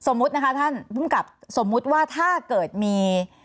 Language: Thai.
สมมุตินะคะท่านพุ่งกลับสมมุติว่าถ้าเกิดมี